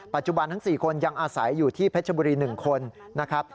ทั้ง๔คนยังอาศัยอยู่ที่เพชรบุรี๑คนนะครับ